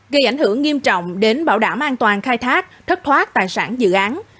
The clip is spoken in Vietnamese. gây ảnh hưởng nghiêm trọng đến bảo đảm an toàn khai thác thất thoát tài sản dự án